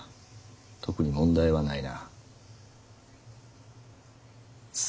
特に問題はないな。